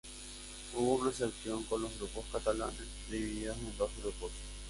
Hubo una excepción con los grupos catalanes, divididos en dos grupos.